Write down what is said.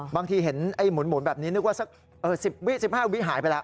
บางทีเห็นหมุนแบบนี้นึกว่าสัก๑๐วิ๑๕วิหายไปแล้ว